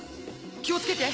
気をつけて！